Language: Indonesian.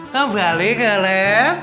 kembali ke lab